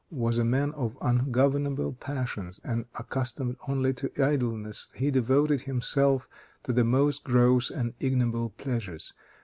was a man of ungovernable passions, and accustomed only to idleness, he devoted himself to the most gross and ignoble pleasures.